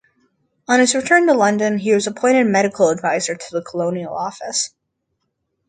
On his return to London, he was appointed Medical Advisor to the Colonial Office.